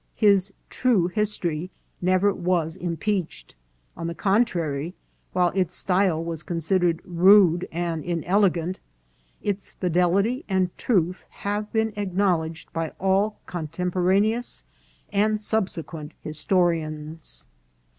His " true history" never was impeached ; on the contrary, while its style was consid ered rude and inelegant, its fidelity and truth have been acknowledged by all contemporaneous and subsequent historians.